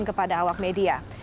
kepada awak media